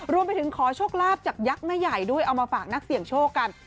รวมไปถึงขอโชคลาภจากยักษ์แม่ใหญ่ด้วยเอามาฝากนักเสี่ยงโชคกัน